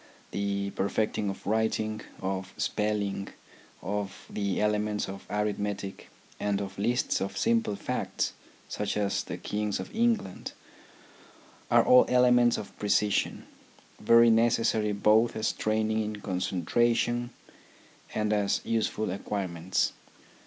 The perfecting of writing, of spelling, of the elements of arithmetic, and of lists of simple facts, such as the Kings of England, are all elements of precision, very necessary both as training in concentration and as useful acquire ments.